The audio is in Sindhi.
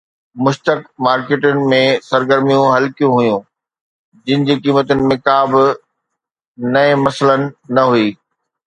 مشتق مارڪيٽن ۾ سرگرميون هلڪيون هيون جن جي قيمتن ۾ ڪا به نئين مسئلن نه هئي